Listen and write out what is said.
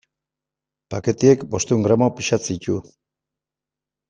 Paketeak bostehun gramo pisatzen ditu.